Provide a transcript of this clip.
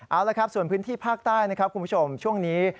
เอาละครับส่วนพื้นที่ภาคใต้นะครับคุณผู้ชมช่วงนี้